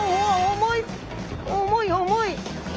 重い重い。